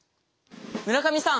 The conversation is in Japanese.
村上さん。